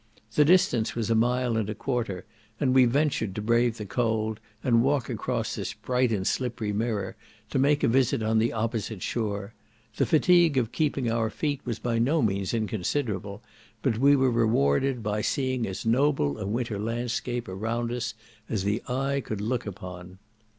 The distance was a mile and a quarter, and we ventured to brave the cold, and walk across this bright and slippery mirror, to make a visit on the opposite shore; the fatigue of keeping our feet was by no means inconsiderable, but we were rewarded by seeing as noble a winter landscape around us as the eye could look upon.